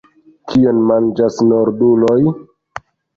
Kion manĝas norduloj?